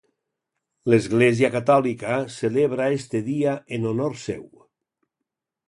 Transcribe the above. L'Església catòlica celebra este dia en honor seu.